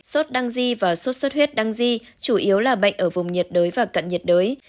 suốt đăng di và suốt suốt huyết đăng di chủ yếu là bệnh ở vùng nhiệt đới và cận nhiệt đới